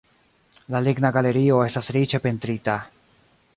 La ligna galerio estas riĉe pentrita.